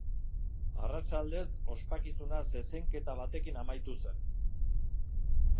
Arratsaldez ospakizuna zezenketa batekin amaitu zen.